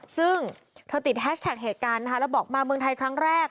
ซึ่งเธอติดแฮชแท็กเหตุการณ์นะคะแล้วบอกมาเมืองไทยครั้งแรก